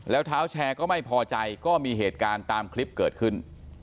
แล้วเท้าแชร์ก็ไม่พอใจก็มีเหตุการณ์ตามคลิปเกิดขึ้น